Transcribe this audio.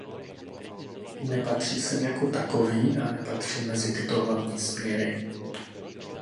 Nepatří sem jako takový a nepatří mezi tyto hlavní směry.